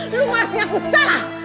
lu masih aku salah